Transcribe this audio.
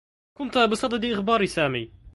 كنت بصدد إخبار سامي.